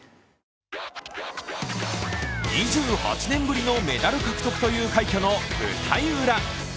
２８年ぶりのメダル獲得という快挙の舞台裏。